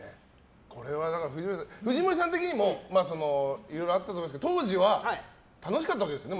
藤森さん的にもいろいろあったと思いますが当時は楽しかったわけですよね。